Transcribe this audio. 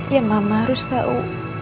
ya mama harus tau